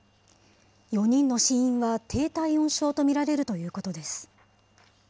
４人の死因は低体温症と見られるということです。